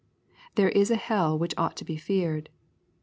There is a hell which ought to be feared.